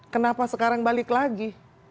kenapa sekarang balik lagi